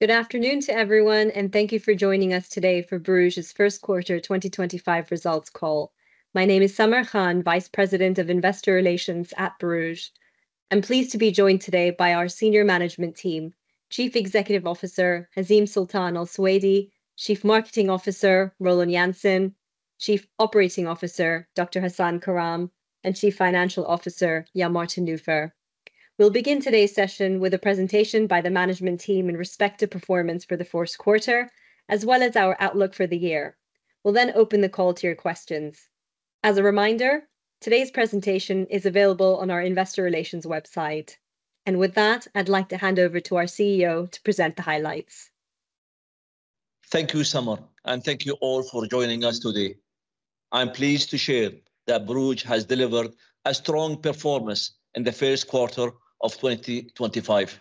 Good afternoon to everyone, and thank you for joining us today for Borouge's first quarter 2025 results call. My name is Samar Khan, Vice President of Investor Relations at Borouge. I'm pleased to be joined today by our Senior Management Team, Chief Executive Officer Hazeem Sultan Al Suwaidi, Chief Marketing Officer Roland Janssen, Chief Operating Officer Dr. Hasan Karam, and Chief Financial Officer Jan-Martin Nufer. We'll begin today's session with a presentation by the Management Team in respect to performance for the fourth quarter, as well as our outlook for the year. We'll then open the call to your questions. As a reminder, today's presentation is available on our Investor Relations website. With that, I'd like to hand over to our CEO to present the highlights. Thank you, Samar, and thank you all for joining us today. I'm pleased to share that Borouge has delivered a strong performance in the first quarter of 2025,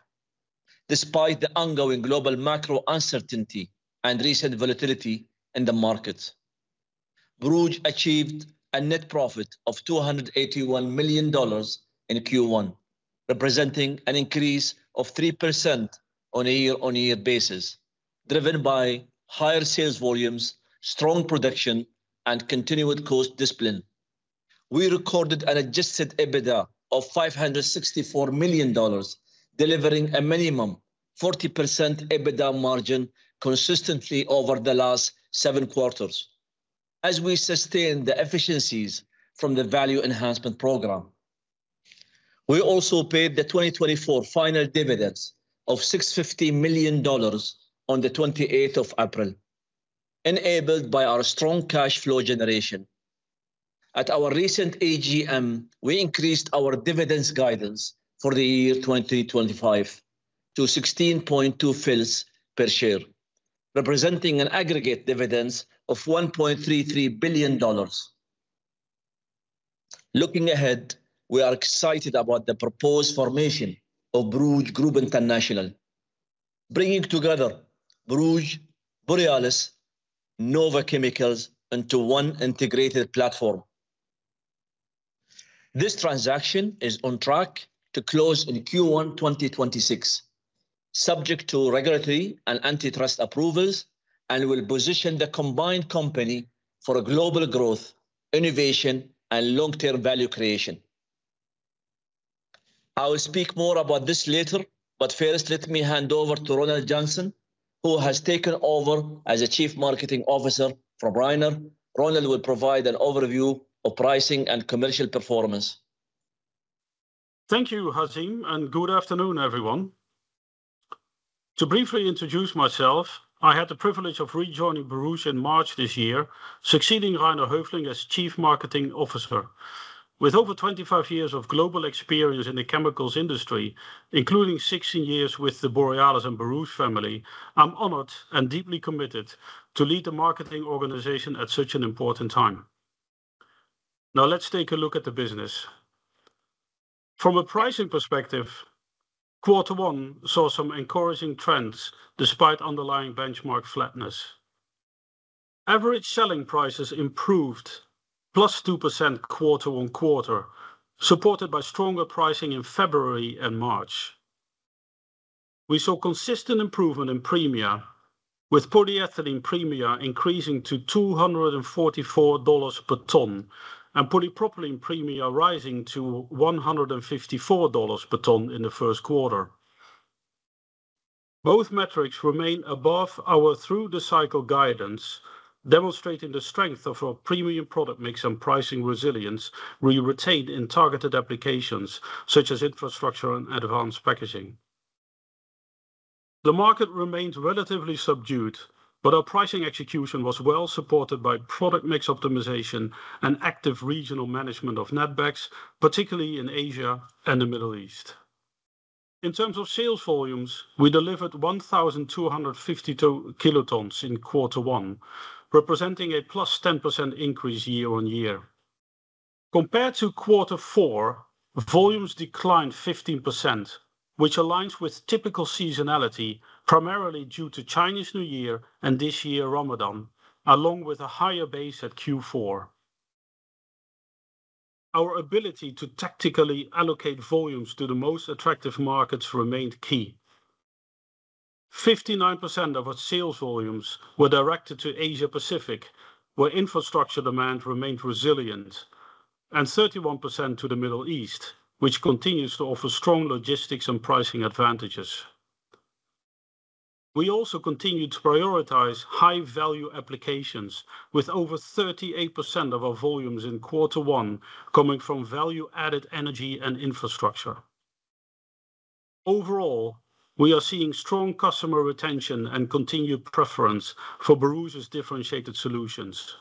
despite the ongoing global macro uncertainty and recent volatility in the markets. Borouge achieved a net profit of $281 million in Q1, representing an increase of 3% on a year-on-year basis, driven by higher sales volumes, strong production, and continued cost discipline. We recorded an adjusted EBITDA of $564 million, delivering a minimum 40% EBITDA margin consistently over the last seven quarters, as we sustained the efficiencies from the Value Enhancement Program. We also paid the 2024 final dividends of $650 million on the 28th of April, enabled by our strong cash flow generation. At our recent AGM, we increased our dividends guidance for the year 2025 to 16.2 fils per share, representing an aggregate dividends of $1.33 billion. Looking ahead, we are excited about the proposed formation of Borouge Group International, bringing together Borouge, Borealis, and Nova Chemicals into one integrated platform. This transaction is on track to close in Q1 2026, subject to regulatory and antitrust approvals, and will position the combined company for global growth, innovation, and long-term value creation. I will speak more about this later, but first, let me hand over to Roland Janssen, who has taken over as Chief Marketing Officer for Borouge. Roland will provide an overview of pricing and commercial performance. Thank you, Hazeem, and good afternoon, everyone. To briefly introduce myself, I had the privilege of rejoining Borouge in March this year, succeeding Rainer Hoefling as Chief Marketing Officer. With over 25 years of global experience in the chemicals industry, including 16 years with the Borealis and Borouge family, I'm honored and deeply committed to lead the marketing organization at such an important time. Now, let's take a look at the business. From a pricing perspective, quarter one saw some encouraging trends despite underlying benchmark flatness. Average selling prices improved plus 2% quarter on quarter, supported by stronger pricing in February and March. We saw consistent improvement in premia, with polyethylene premia increasing to $244 per ton and polypropylene premia rising to $154 per ton in the first quarter. Both metrics remain above our through-the-cycle guidance, demonstrating the strength of our premium product mix and pricing resilience we retain in targeted applications such as infrastructure and advanced packaging. The market remains relatively subdued, but our pricing execution was well supported by product mix optimization and active regional management of netbacks, particularly in Asia and the Middle East. In terms of sales volumes, we delivered 1,252 kilotons in quarter one, representing a +10% increase year on year. Compared to quarter four, volumes declined 15%, which aligns with typical seasonality, primarily due to Chinese New Year and this year Ramadan, along with a higher base at Q4. Our ability to tactically allocate volumes to the most attractive markets remained key. 59% of our sales volumes were directed to Asia-Pacific, where infrastructure demand remained resilient, and 31% to the Middle East, which continues to offer strong logistics and pricing advantages. We also continued to prioritize high-value applications, with over 38% of our volumes in quarter one coming from value-added energy and infrastructure. Overall, we are seeing strong customer retention and continued preference for Borouge's differentiated solutions.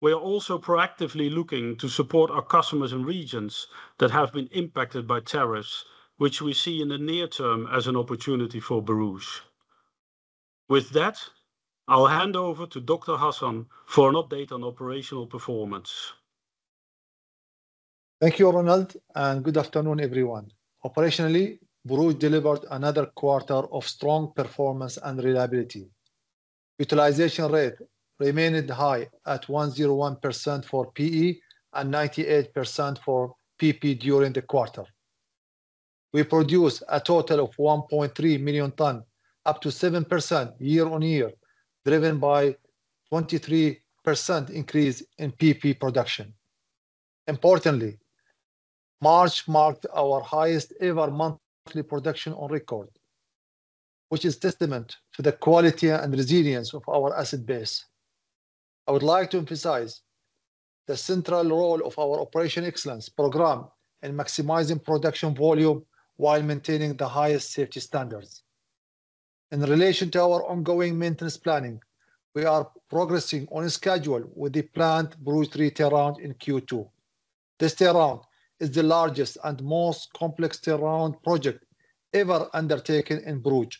We are also proactively looking to support our customers in regions that have been impacted by tariffs, which we see in the near term as an opportunity for Borouge. With that, I'll hand over to Dr. Hassan for an update on operational performance. Thank you, Roland, and good afternoon, everyone. Operationally, Borouge delivered another quarter of strong performance and reliability. Utilization rate remained high at 101% for PE and 98% for PP during the quarter. We produced a total of 1.3 million tons, up to 7% year on year, driven by a 23% increase in PP production. Importantly, March marked our highest ever monthly production on record, which is a testament to the quality and resilience of our asset base. I would like to emphasize the central role of our Operational Excellence Program in maximizing production volume while maintaining the highest safety standards. In relation to our ongoing maintenance planning, we are progressing on schedule with the planned Borouge 3 turnaround in Q2. This turnaround is the largest and most complex turnaround project ever undertaken in Borouge.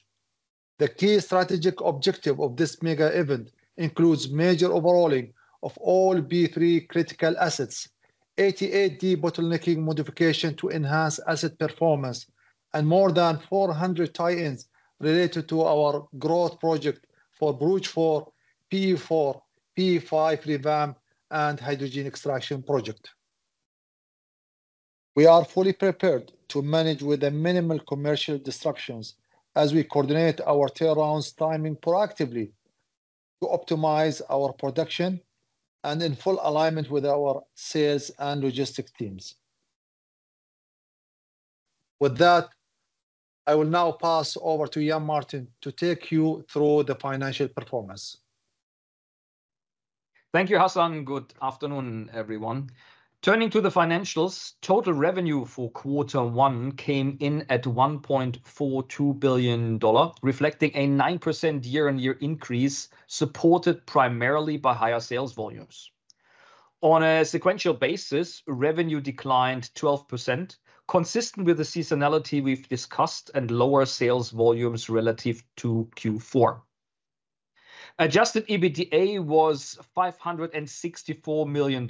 The key strategic objective of this mega event includes major overhauling of all B3 critical assets, 8080 debottlenecking modification to enhance asset performance, and more than 400 tie-ins related to our growth project for Borouge 4, P4, P5 revamp, and hydrogen extraction project. We are fully prepared to manage with minimal commercial disruptions as we coordinate our turnarounds timing proactively to optimize our production and in full alignment with our sales and logistics teams. With that, I will now pass over to Jan-Martin to take you through the financial performance. Thank you, Hassan. Good afternoon, everyone. Turning to the financials, total revenue for quarter one came in at $1.42 billion, reflecting a 9% year-on-year increase supported primarily by higher sales volumes. On a sequential basis, revenue declined 12%, consistent with the seasonality we've discussed and lower sales volumes relative to Q4. Adjusted EBITDA was $564 million,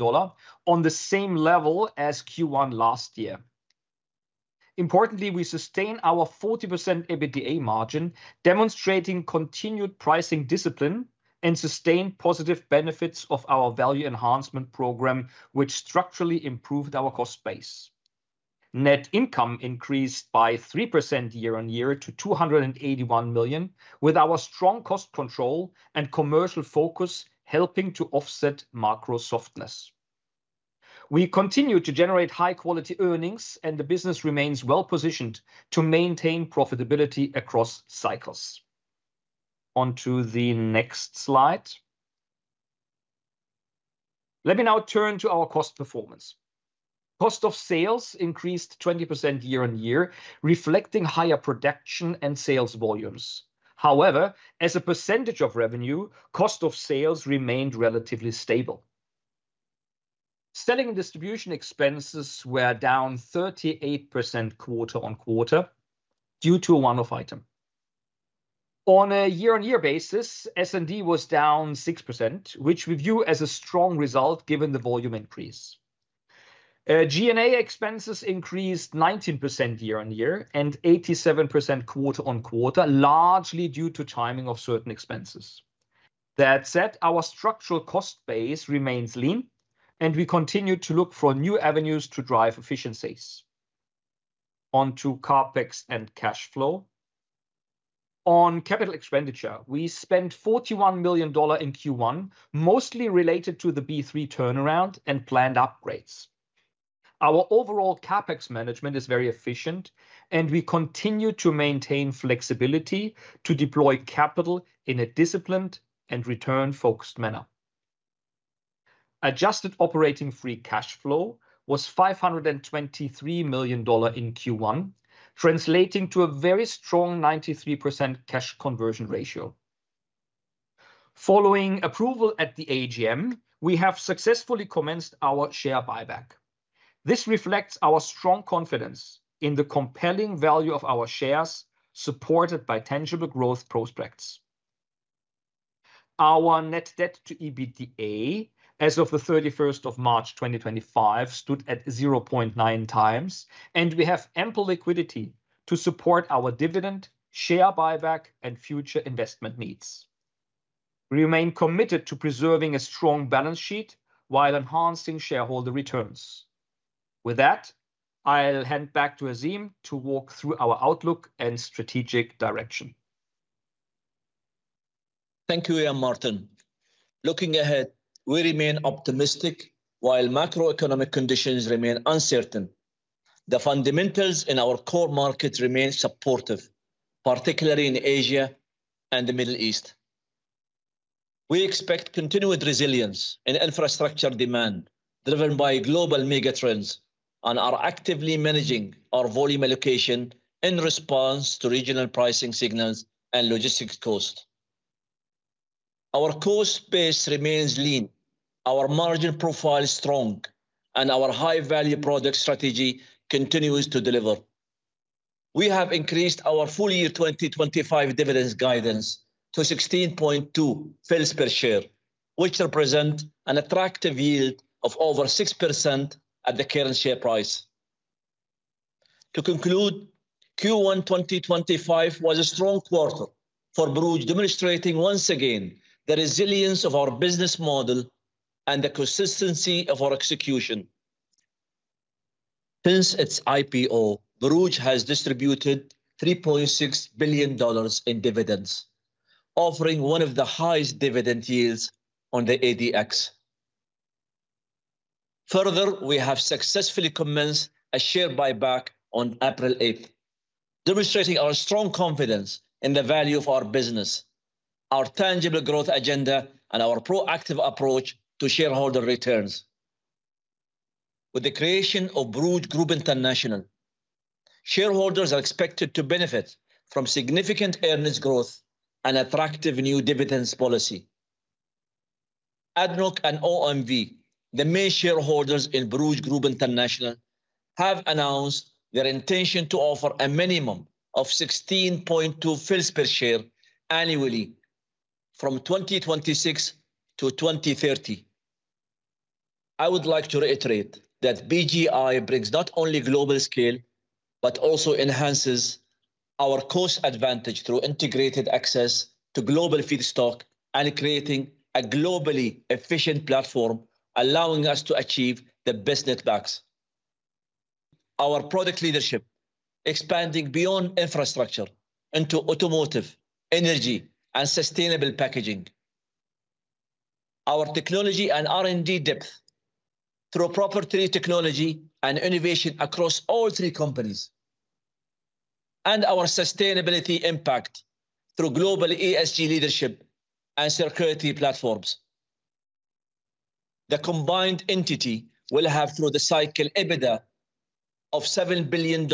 on the same level as Q1 last year. Importantly, we sustained our 40% EBITDA margin, demonstrating continued pricing discipline and sustained positive benefits of our Value Enhancement Program, which structurally improved our cost base. Net income increased by 3% year-on-year to $281 million, with our strong cost control and commercial focus helping to offset macro softness. We continue to generate high-quality earnings, and the business remains well-positioned to maintain profitability across cycles. Onto the next slide. Let me now turn to our cost performance. Cost of sales increased 20% year-on-year, reflecting higher production and sales volumes. However, as a percentage of revenue, cost of sales remained relatively stable. Selling and distribution expenses were down 38% quarter on quarter due to a one-off item. On a year-on-year basis, S&D was down 6%, which we view as a strong result given the volume increase. G&A expenses increased 19% year-on-year and 87% quarter on quarter, largely due to timing of certain expenses. That said, our structural cost base remains lean, and we continue to look for new avenues to drive efficiencies. Onto CapEx and cash flow. On capital expenditure, we spent $41 million in Q1, mostly related to the B3 turnaround and planned upgrades. Our overall CapEx management is very efficient, and we continue to maintain flexibility to deploy capital in a disciplined and return-focused manner. Adjusted operating free cash flow was $523 million in Q1, translating to a very strong 93% cash conversion ratio. Following approval at the AGM, we have successfully commenced our share buyback. This reflects our strong confidence in the compelling value of our shares, supported by tangible growth prospects. Our net debt to EBITDA as of the 31st of March 2025 stood at 0.9 times, and we have ample liquidity to support our dividend, share buyback, and future investment needs. We remain committed to preserving a strong balance sheet while enhancing shareholder returns. With that, I'll hand back to Hazeem to walk through our outlook and strategic direction. Thank you, Jan-Martin. Looking ahead, we remain optimistic while macroeconomic conditions remain uncertain. The fundamentals in our core market remain supportive, particularly in Asia and the Middle East. We expect continued resilience in infrastructure demand driven by global mega trends, and are actively managing our volume allocation in response to regional pricing signals and logistics costs. Our cost base remains lean, our margin profile strong, and our high-value product strategy continues to deliver. We have increased our full year 2025 dividend guidance to 16.2 fils per share, which represents an attractive yield of over 6% at the current share price. To conclude, Q1 2025 was a strong quarter for Borouge, demonstrating once again the resilience of our business model and the consistency of our execution. Since its IPO, Borouge has distributed $3.6 billion in dividends, offering one of the highest dividend yields on the ADX. Further, we have successfully commenced a share buyback on April 8, demonstrating our strong confidence in the value of our business, our tangible growth agenda, and our proactive approach to shareholder returns. With the creation of Borouge Group International, shareholders are expected to benefit from significant earnings growth and attractive new dividends policy. ADNOC and OMV, the main shareholders in Borouge Group International, have announced their intention to offer a minimum of 16.2 fils per share annually from 2026 to 2030. I would like to reiterate that BGI brings not only global scale, but also enhances our cost advantage through integrated access to global feedstock and creating a globally efficient platform, allowing us to achieve the best netbacks. Our product leadership, expanding beyond infrastructure into automotive, energy, and sustainable packaging. Our technology and R&D depth through proprietary technology and innovation across all three companies, and our sustainability impact through global ESG leadership and circularity platforms. The combined entity will have, through the cycle, EBITDA of $7 billion,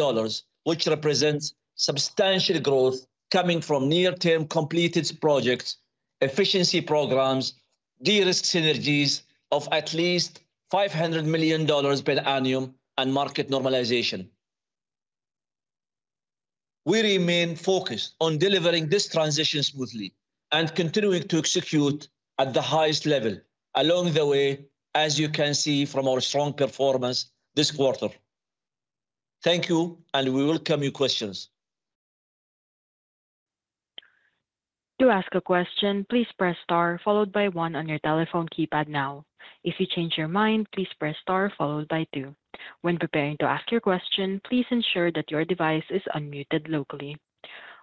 which represents substantial growth coming from near-term completed projects, efficiency programs, de-risk synergies of at least $500 million per annum, and market normalization. We remain focused on delivering this transition smoothly and continuing to execute at the highest level along the way, as you can see from our strong performance this quarter. Thank you, and we welcome your questions. To ask a question, please press star followed by one on your telephone keypad now. If you change your mind, please press star followed by two. When preparing to ask your question, please ensure that your device is unmuted locally.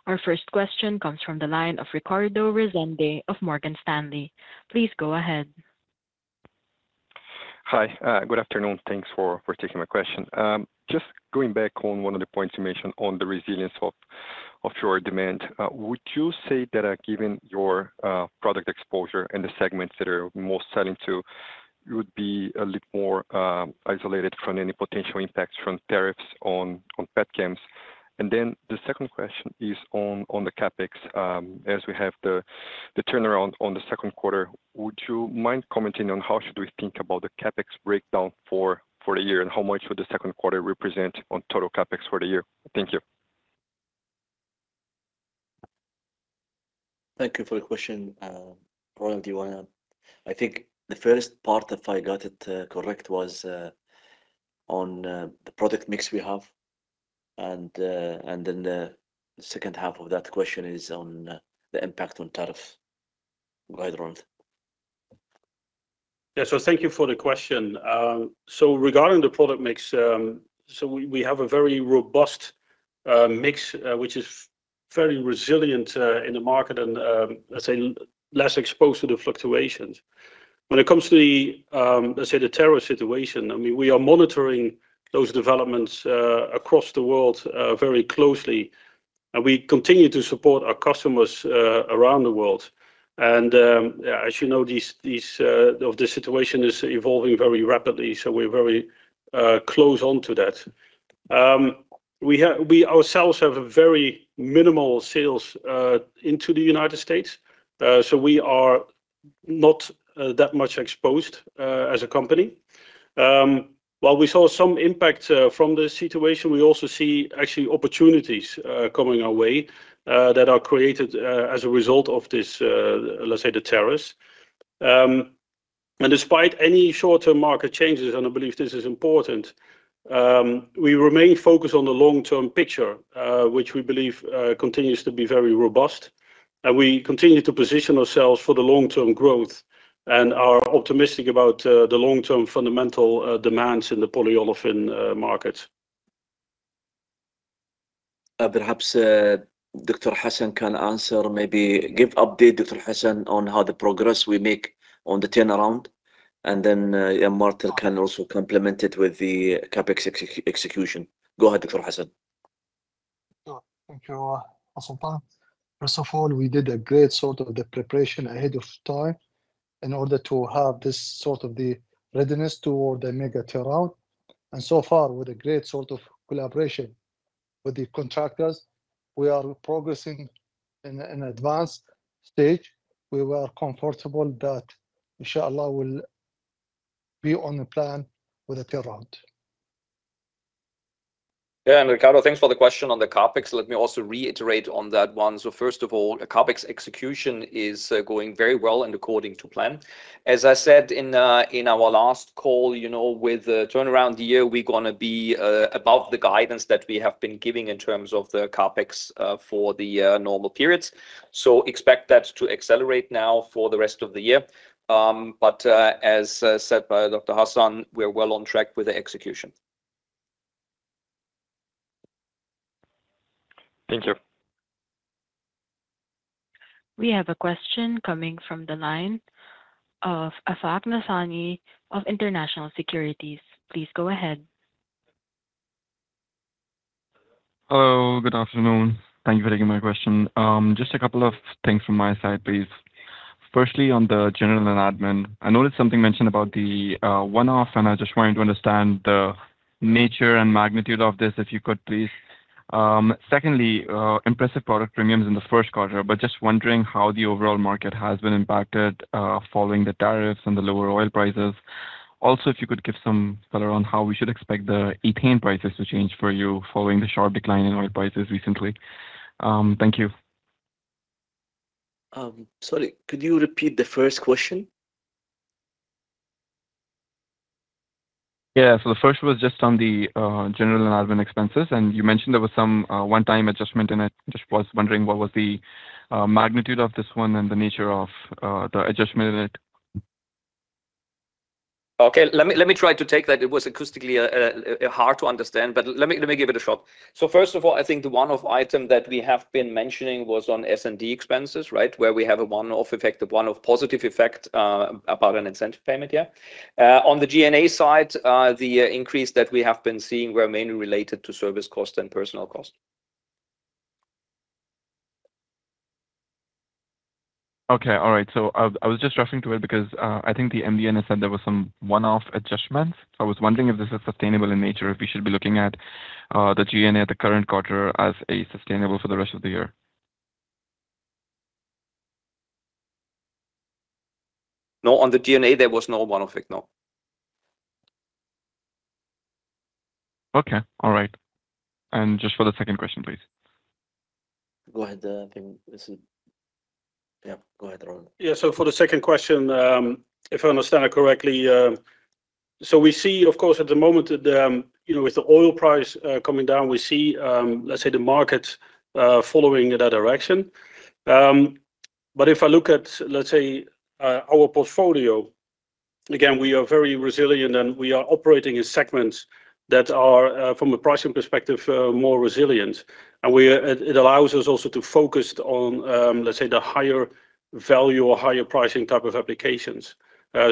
Our first question comes from the line of Ricardo Rezende of Morgan Stanley. Please go ahead. Hi, good afternoon. Thanks for taking my question. Just going back on one of the points you mentioned on the resilience of your demand, would you say that given your product exposure and the segments that are most selling to, you would be a little more isolated from any potential impacts from tariffs on petchems? The second question is on the CapEx. As we have the turnaround on the second quarter, would you mind commenting on how should we think about the CapEx breakdown for the year and how much would the second quarter represent on total CapEx for the year? Thank you. Thank you for the question. Roland, do you want to? I think the first part, if I got it correct, was on the product mix we have. The second half of that question is on the impact on tariffs. Go ahead, Roland. Thank you for the question. Regarding the product mix, we have a very robust mix, which is fairly resilient in the market and, let's say, less exposed to the fluctuations. When it comes to the, let's say, the tariff situation, I mean, we are monitoring those developments across the world very closely. We continue to support our customers around the world. As you know, the situation is evolving very rapidly, so we're very close on to that. We ourselves have very minimal sales into the United States, so we are not that much exposed as a company. While we saw some impact from the situation, we also see actually opportunities coming our way that are created as a result of this, let's say, the tariffs. Despite any short-term market changes, and I believe this is important, we remain focused on the long-term picture, which we believe continues to be very robust. We continue to position ourselves for the long-term growth and are optimistic about the long-term fundamental demands in the polyolefin markets. Perhaps Dr. Hasan can answer, maybe give update, Dr. Hasan, on how the progress we make on the turnaround. Then Jan-Martin can also complement it with the CapEx execution. Go ahead, Dr. Hasan. Thank you, Hasan. First of all, we did a great sort of the preparation ahead of time in order to have this sort of the readiness toward the mega turnaround. So far, with a great sort of collaboration with the contractors, we are progressing in an advanced stage. We were comfortable that, inshallah, we'll be on the plan with the turnaround. Yeah, and Ricardo, thanks for the question on the CapEx. Let me also reiterate on that one. First of all, CapEx execution is going very well and according to plan. As I said in our last call, you know, with the turnaround year, we're going to be above the guidance that we have been giving in terms of the CapEx for the normal periods. Expect that to accelerate now for the rest of the year. As said by Dr. Hasan, we're well on track with the execution. Thank you. We have a question coming from the line of Afaq Nasir of International Securities. Please go ahead. Hello, good afternoon. Thank you for taking my question. Just a couple of things from my side, please. Firstly, on the general and admin, I noticed something mentioned about the one-off, and I just wanted to understand the nature and magnitude of this if you could, please. Secondly, impressive product premiums in the first quarter, but just wondering how the overall market has been impacted following the tariffs and the lower oil prices. Also, if you could give some color on how we should expect the ethane prices to change for you following the sharp decline in oil prices recently. Thank you. Sorry, could you repeat the first question? Yeah, the first was just on the general and admin expenses, and you mentioned there was some one-time adjustment in it. Just was wondering what was the magnitude of this one and the nature of the adjustment in it. Okay, let me try to take that. It was acoustically hard to understand, but let me give it a shot. First of all, I think the one-off item that we have been mentioning was on S&D expenses, right, where we have a one-off effect, a one-off positive effect about an incentive payment, yeah. On the G&A side, the increase that we have been seeing were mainly related to service cost and personnel cost. Okay, all right. I was just referring to it because I think the MD&A said there were some one-off adjustments. I was wondering if this is sustainable in nature, if we should be looking at the G&A at the current quarter as sustainable for the rest of the year. No, on the G&A, there was no one-off effect, no. Okay, all right. Just for the second question, please. Go ahead, I think. Yeah, go ahead, Roland. Yeah, for the second question, if I understand it correctly, we see, of course, at the moment, with the oil price coming down, we see, let's say, the markets following in that direction. If I look at, let's say, our portfolio, again, we are very resilient, and we are operating in segments that are, from a pricing perspective, more resilient. It allows us also to focus on, let's say, the higher value or higher pricing type of applications.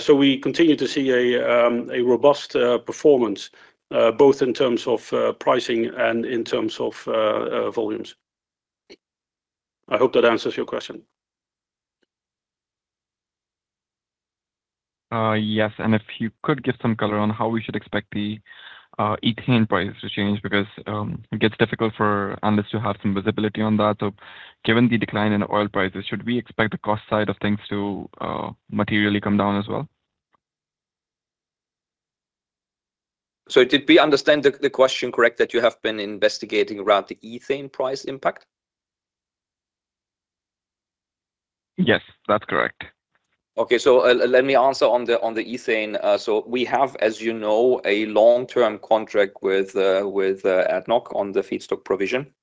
We continue to see a robust performance, both in terms of pricing and in terms of volumes. I hope that answers your question. Yes, if you could give some color on how we should expect the ethane prices to change because it gets difficult for analysts to have some visibility on that. Given the decline in oil prices, should we expect the cost side of things to materially come down as well? Did we understand the question correct that you have been investigating around the ethane price impact? Yes, that's correct. Okay, let me answer on the ethane. We have, as you know, a long-term contract with ADNOC on the feedstock provision.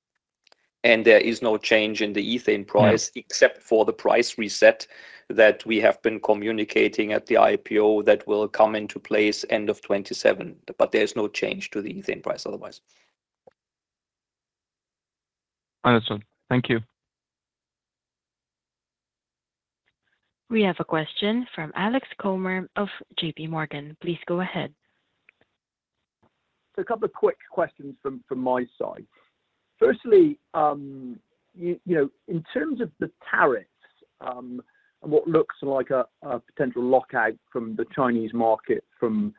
There is no change in the ethane price except for the price reset that we have been communicating at the IPO that will come into place end of 2027. There is no change to the ethane price otherwise. Understood. Thank you. We have a question from Alex Comer of JPMorgan. Please go ahead. A couple of quick questions from my side. Firstly, in terms of the tariffs and what looks like a potential lockout from the Chinese market from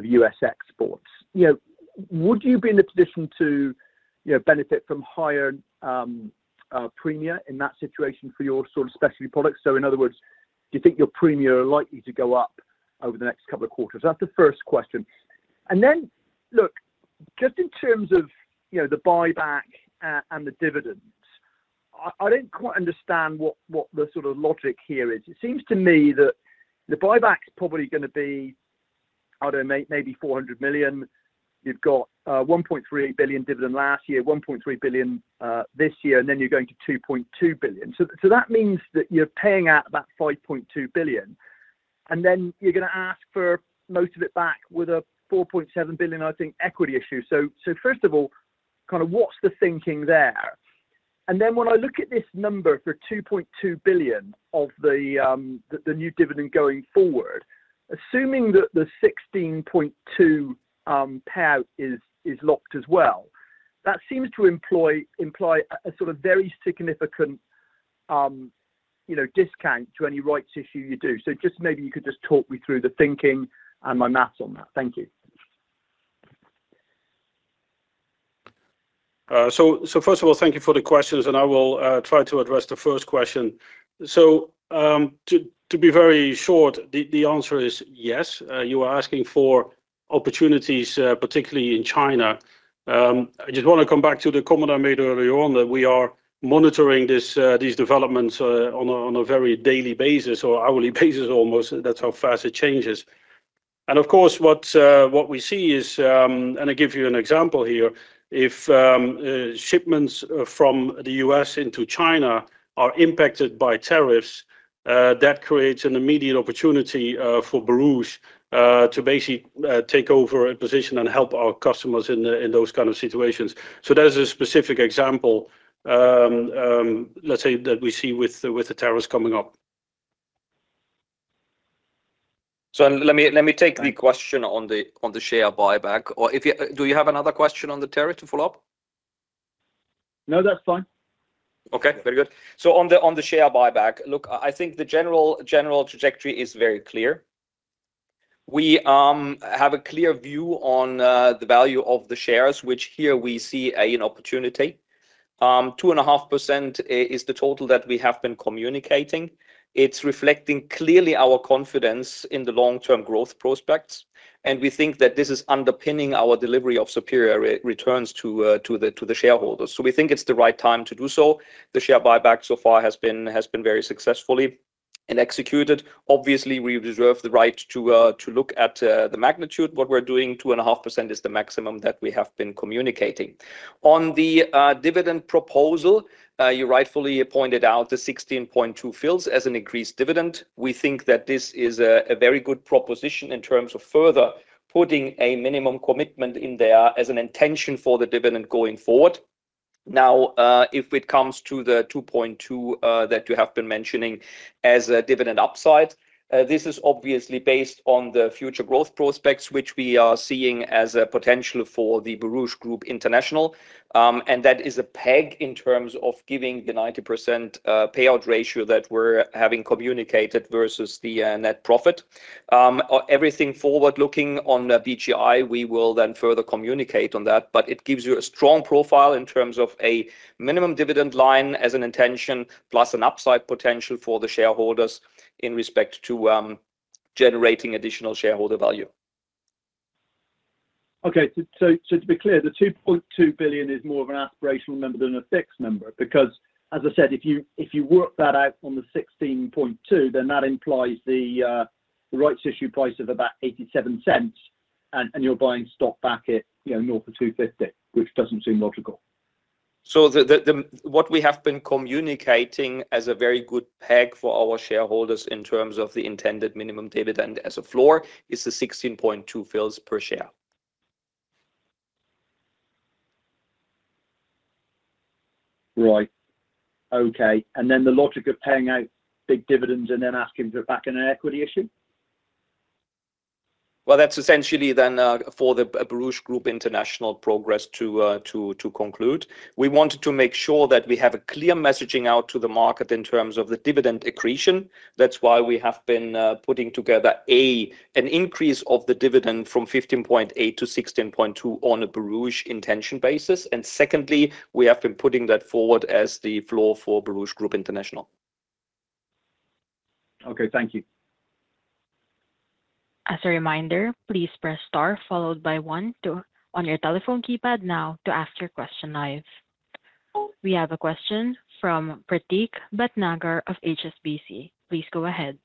US exports, would you be in a position to benefit from higher premia in that situation for your sort of specialty products? In other words, do you think your premia are likely to go up over the next couple of quarters? That's the first question. Just in terms of the buyback and the dividends, I don't quite understand what the sort of logic here is. It seems to me that the buyback's probably going to be, I don't know, maybe $400 million. You've got $1.3 billion dividend last year, $1.3 billion this year, and then you're going to $2.2 billion. That means that you're paying out about $5.2 billion. You're going to ask for most of it back with a $4.7 billion, I think, equity issue. First of all, what's the thinking there? When I look at this number for $2.2 billion of the new dividend going forward, assuming that the 16.2 fils payout is locked as well, that seems to imply a sort of very significant discount to any rights issue you do. Maybe you could just talk me through the thinking and my maths on that. Thank you. First of all, thank you for the questions, and I will try to address the first question. To be very short, the answer is yes. You are asking for opportunities, particularly in China. I just want to come back to the comment I made earlier on that we are monitoring these developments on a very daily basis or hourly basis almost. That's how fast it changes. Of course, what we see is, and I give you an example here, if shipments from the US into China are impacted by tariffs, that creates an immediate opportunity for Borouge to basically take over a position and help our customers in those kind of situations. That is a specific example, let's say, that we see with the tariffs coming up. Let me take the question on the share buyback. Do you have another question on the tariff to follow up? No, that's fine. Okay, very good. On the share buyback, look, I think the general trajectory is very clear. We have a clear view on the value of the shares, which here we see an opportunity. 2.5% is the total that we have been communicating. It is reflecting clearly our confidence in the long-term growth prospects. We think that this is underpinning our delivery of superior returns to the shareholders. We think it is the right time to do so. The share buyback so far has been very successfully executed. Obviously, we reserve the right to look at the magnitude. What we are doing, 2.5% is the maximum that we have been communicating. On the dividend proposal, you rightfully pointed out the 16.2 fils as an increased dividend. We think that this is a very good proposition in terms of further putting a minimum commitment in there as an intention for the dividend going forward. Now, if it comes to the 2.2 that you have been mentioning as a dividend upside, this is obviously based on the future growth prospects, which we are seeing as a potential for the Borouge Group International. That is a peg in terms of giving the 90% payout ratio that we're having communicated versus the net profit. Everything forward-looking on BGI, we will then further communicate on that. It gives you a strong profile in terms of a minimum dividend line as an intention, plus an upside potential for the shareholders in respect to generating additional shareholder value. Okay, so to be clear, the $2.2 billion is more of an aspirational number than a fixed number because, as I said, if you work that out on the 16.2 fils, then that implies the rights issue price of about $0.87, and you're buying stock back at north of $2.50, which doesn't seem logical. What we have been communicating as a very good peg for our shareholders in terms of the intended minimum dividend as a floor is the 16.2 fils per share. Right. Okay. The logic of paying out big dividends and then asking for it back in an equity issue? That is essentially then for the Borouge Group International progress to conclude. We wanted to make sure that we have a clear messaging out to the market in terms of the dividend accretion. That is why we have been putting together an increase of the dividend from 15.8 to 16.2 on a Borouge intention basis. Secondly, we have been putting that forward as the floor for Borouge Group International. Okay, thank you. As a reminder, please press star followed by one on your telephone keypad now to ask your question. We have a question from Prateek Bhatnagar of HSBC. Please go ahead.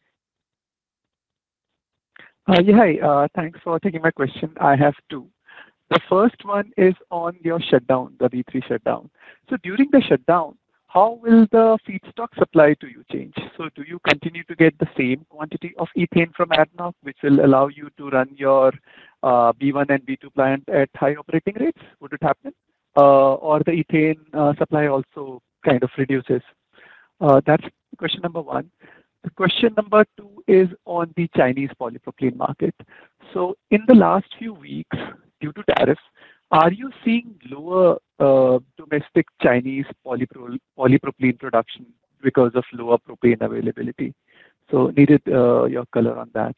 Yeah, hey, thanks for taking my question. I have two. The first one is on your shutdown, the V3 shutdown. During the shutdown, how will the feedstock supply to you change? Do you continue to get the same quantity of ethane from ADNOC, which will allow you to run your B1 and B2 plant at high operating rates? Would it happen, or does the ethane supply also kind of reduce? That's question number one. The question number two is on the Chinese polypropylene market. In the last few weeks, due to tariffs, are you seeing lower domestic Chinese polypropylene production because of lower propane availability? Needed your color on that.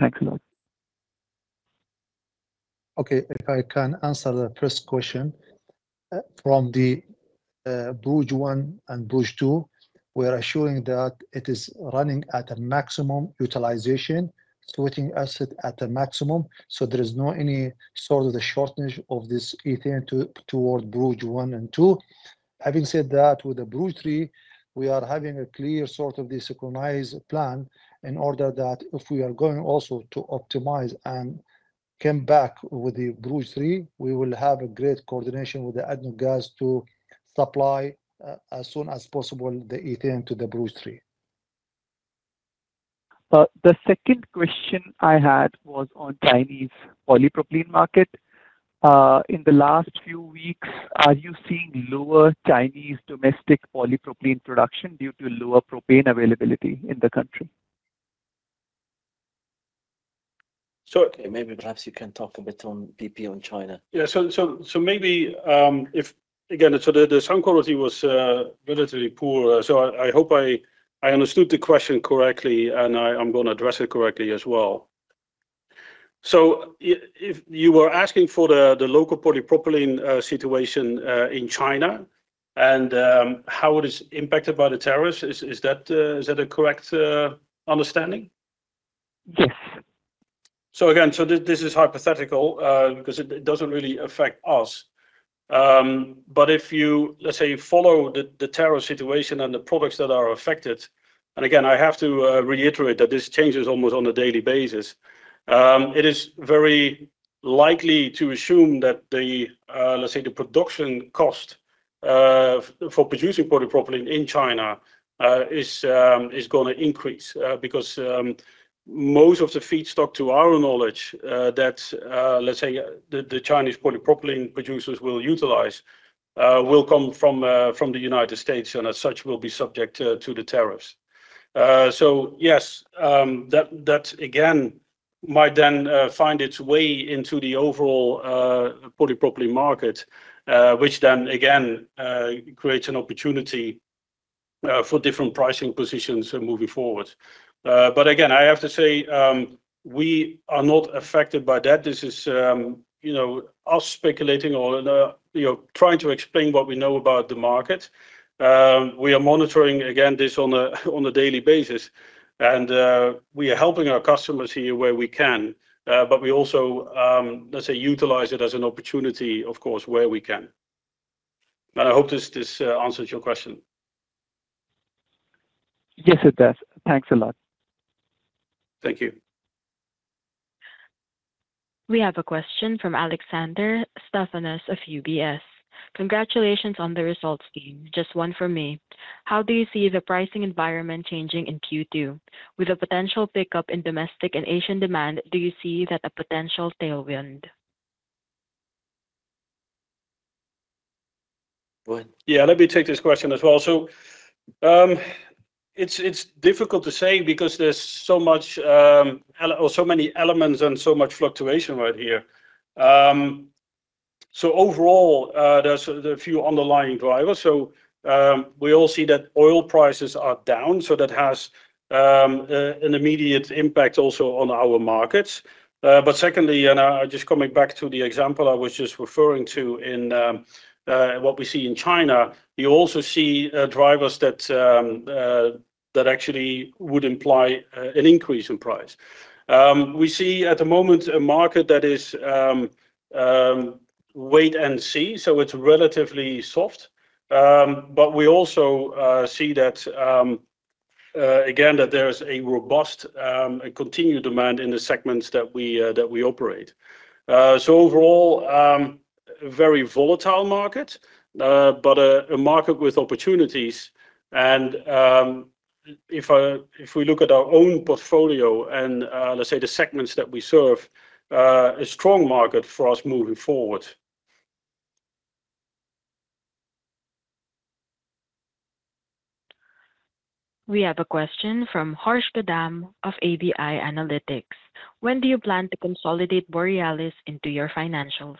Thanks a lot. Okay, if I can answer the first question. From the Borouge 1 and Borouge 2, we are assuring that it is running at a maximum utilization, sweating asset at a maximum. So there is no any sort of the shortness of this ethane toward Borouge 1 and 2. Having said that, with the Borouge 3, we are having a clear sort of the synchronized plan in order that if we are going also to optimize and come back with the Borouge 3, we will have a great coordination with the ADNOC Gas to supply as soon as possible the ethane to the Borouge 3. The second question I had was on Chinese polypropylene market. In the last few weeks, are you seeing lower Chinese domestic polypropylene production due to lower propane availability in the country? Sure, okay. Maybe perhaps you can talk a bit on BP on China. Yeah, maybe if, again, the sound quality was relatively poor. I hope I understood the question correctly, and I'm going to address it correctly as well. You were asking for the local polypropylene situation in China and how it is impacted by the tariffs. Is that a correct understanding? Yes. Again, this is hypothetical because it does not really affect us. If you, let's say, follow the tariff situation and the products that are affected, and I have to reiterate that this changes almost on a daily basis, it is very likely to assume that, let's say, the production cost for producing polypropylene in China is going to increase because most of the feedstock, to our knowledge, that, let's say, the Chinese polypropylene producers will utilize will come from the United States, and as such, will be subject to the tariffs. Yes, that again might then find its way into the overall polypropylene market, which then again creates an opportunity for different pricing positions moving forward. Again, I have to say we are not affected by that. This is us speculating or trying to explain what we know about the market. We are monitoring, again, this on a daily basis, and we are helping our customers here where we can. We also, let's say, utilize it as an opportunity, of course, where we can. I hope this answers your question. Yes, it does. Thanks a lot. Thank you. We have a question from Alexandros Stavrinos of UBS. Congratulations on the results, team. Just one for me. How do you see the pricing environment changing in Q2? With a potential pickup in domestic and Asian demand, do you see that a potential tailwind? Yeah, let me take this question as well. It's difficult to say because there are so many elements and so much fluctuation right here. Overall, there are a few underlying drivers. We all see that oil prices are down, so that has an immediate impact also on our markets. Secondly, and I'm just coming back to the example I was just referring to in what we see in China, you also see drivers that actually would imply an increase in price. We see at the moment a market that is wait and see. It's relatively soft. We also see that, again, there is a robust and continued demand in the segments that we operate. Overall, a very volatile market, but a market with opportunities. If we look at our own portfolio and, let's say, the segments that we serve, a strong market for us moving forward. We have a question from Harsh Gadam of ABI Analytics. When do you plan to consolidate Borealis into your financials?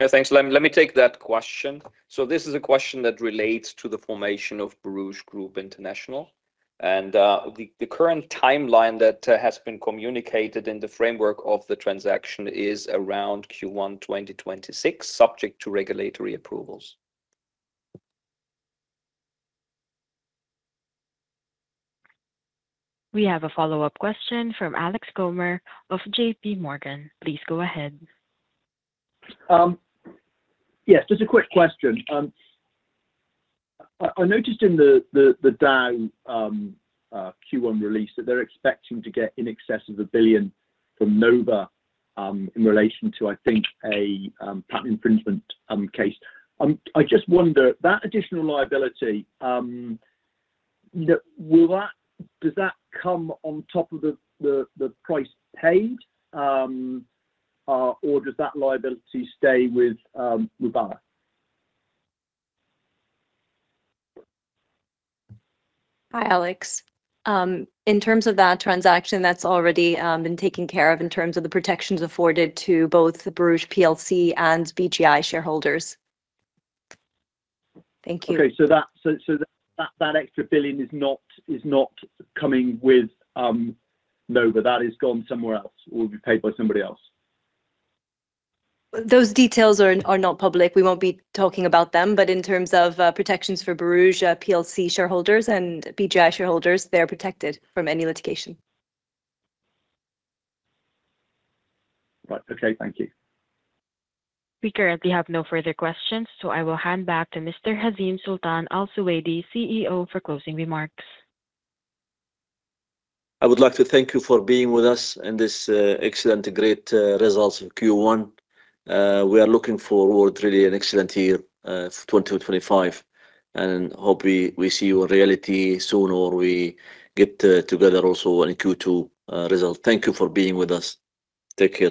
Yeah, thanks. Let me take that question. This is a question that relates to the formation of Borouge Group International. The current timeline that has been communicated in the framework of the transaction is around Q1 2026, subject to regulatory approvals. We have a follow-up question from Alex Comer of JPMorgan. Please go ahead. Yes, just a quick question. I noticed in the Dow Q1 release that they're expecting to get in excess of $1 billion from Nova in relation to, I think, a patent infringement case. I just wonder, that additional liability, does that come on top of the price paid, or does that liability stay with Mubadala? Hi, Alex. In terms of that transaction, that's already been taken care of in terms of the protections afforded to both the Borouge and BGI shareholders. Thank you. Okay, so that extra billion is not coming with Nova. That has gone somewhere else or will be paid by somebody else? Those details are not public. We won't be talking about them. In terms of protections for Borouge shareholders and BGI shareholders, they're protected from any litigation. Right, okay. Thank you. Speaker, we have no further questions, so I will hand back to Mr. Hazeem Sultan Al Suwaidi, CEO, for closing remarks. I would like to thank you for being with us in this excellent, great results of Q1. We are looking forward, really, an excellent year for 2025. I hope we see you in reality soon or we get together also in Q2 results. Thank you for being with us. Take care.